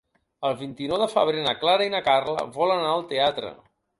El vint-i-nou de febrer na Clara i na Carla volen anar al teatre.